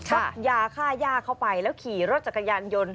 รับยาค่าย่าเข้าไปแล้วขี่รถจักรยานยนต์